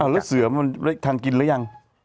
แล้วเสือมันได้ทานกินหรือยัง